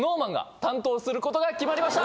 することが決まりました！